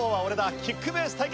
キックベース対決